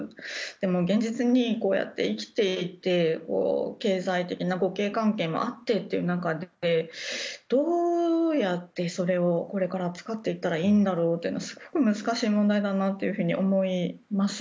でも現実にこうやって生きていて経済的な互恵関係もあってという中でどうやって、それをこれから作っていったらいいんだろうってすごく難しい問題だなというふうに思います。